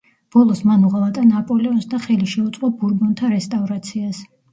ბოლოს მან უღალატა ნაპოლეონს და ხელი შეუწყო ბურბონთა რესტავრაციას.